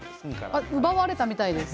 奪われたみたいです。